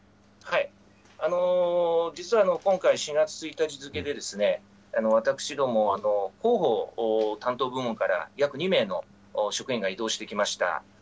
実は今回、４月１日付で、私ども、広報担当部門から約２名の職員が異動してきました。